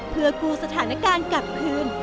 เพื่อกู้สถานการณ์กลับคืน